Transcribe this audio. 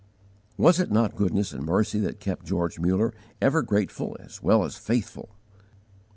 Was it not goodness and mercy that kept George Muller ever grateful as well as faithful!